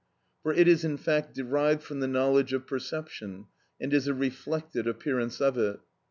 For it is in fact derived from the knowledge of perception, and is a reflected appearance of it.